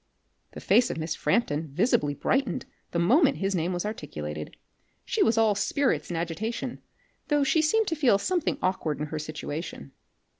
The face of Miss Frampton visibly brightened the moment his name was articulated. She was all spirits and agitation, though she seemed to feel something aukward in her situation.